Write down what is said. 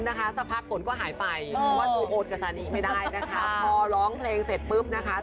สักพักฝนก็สายไปดีต้อนร้องเพลงเสร็จปึ๊บนะครับ